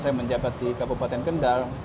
saya menjabat di kabupaten kendal